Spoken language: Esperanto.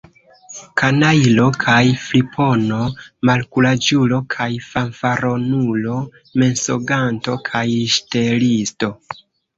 Kanajlo kaj fripono, malkuraĝulo kaj fanfaronulo, mensoganto kaj ŝtelisto!